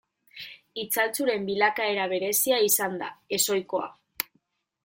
Itzaltzuren bilakaera berezia izan da, ez ohikoa.